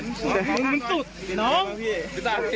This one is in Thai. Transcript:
ดูสิคะแต่ละคนกอดคอกันหลั่นน้ำตา